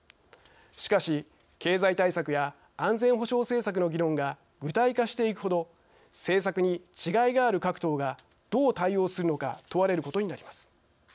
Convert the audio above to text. しかし経済対策や安全保障政策の議論が具体化していくほど政策に違いがある各党がどう対応するのか問われることになります。